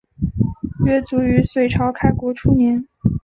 约卒于隋朝开国初年。